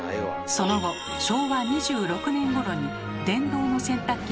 その後昭和２６年ごろに電動の洗濯機が登場。